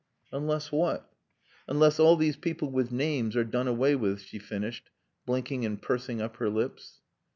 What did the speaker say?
"Unless what?" "Unless all these people with names are done away with," she finished, blinking and pursing up her lips.